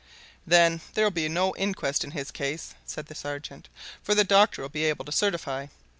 "Then there'll be no inquest in his case," said the sergeant, "for the doctor'll be able to certify.